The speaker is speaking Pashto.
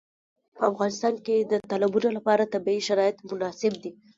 په افغانستان کې د تالابونه لپاره طبیعي شرایط مناسب دي.